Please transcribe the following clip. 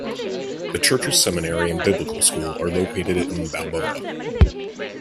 The church's seminary and biblical school are located in Baboua.